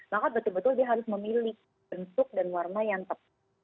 maka betul betul dia harus memilih bentuk dan warna yang tepat